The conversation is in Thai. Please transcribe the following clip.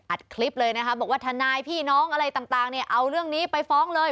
อัดคลิปเลยนะคะบอกว่าทนายพี่น้องอะไรต่างเนี่ยเอาเรื่องนี้ไปฟ้องเลย